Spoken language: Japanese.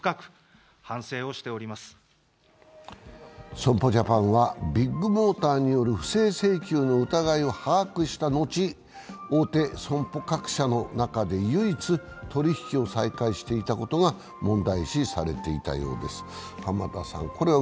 損保ジャパンは、ビッグモーターによる不正請求の疑いを把握した後、大手損保各社の中で唯一取引を再開していたことが問題視されていたようです。